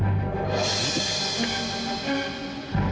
akhirnya aku ketemu kamu juga